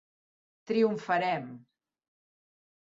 Triomfarem.